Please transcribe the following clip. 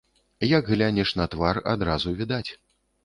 Як глянеш на твар, адразу відаць.